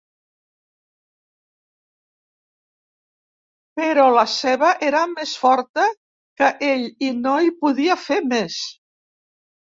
Però la ceba era més forta que ell i no hi podia fer més.